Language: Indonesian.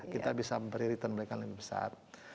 kita bisa beri return mereka yang lebih besar